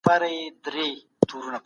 هغه ځان له خطره ژغورلی.